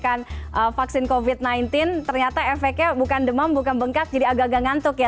kenapa uji klinis penyuntikan vaksin covid sembilan belas ternyata efeknya bukan demam bukan bengkak jadi agak agak ngantuk ya